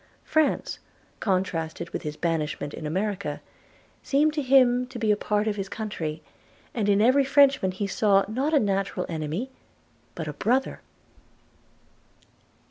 France, contrasted with his banishment in America, seemed to him to be a part of his country, and in every Frenchman he saw, not a natural enemy, but a brother.